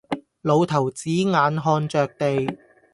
老頭子眼看着地，